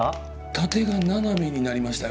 縦が斜めになりましたよ。